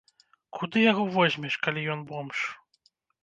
Куды яго возьмеш, калі ён бомж?